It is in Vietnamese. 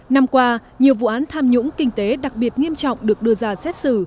năm qua nhiều vụ án tham nhũng kinh tế đặc biệt nghiêm trọng được đưa ra xét xử